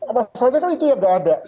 nah masalahnya kan itu yang tidak ada